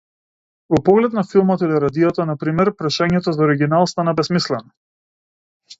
Во поглед на филмот или радиото, на пример, прашањето за оригинал стана бесмислено.